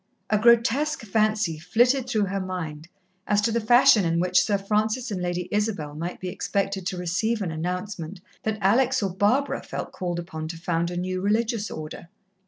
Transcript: A grotesque fancy flitted through her mind as to the fashion in which Sir Francis and Lady Isabel might be expected to receive an announcement that Alex or Barbara felt called upon to found a new religious Order.